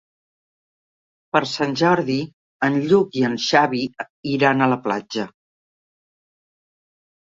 Per Sant Jordi en Lluc i en Xavi iran a la platja.